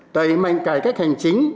đẩy mạnh cải cách hành chính